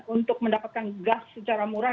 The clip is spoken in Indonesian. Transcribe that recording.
untuk mendapatkan gas secara murah